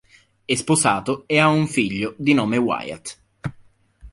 È sposato ed ha un figlio di nome Wyatt.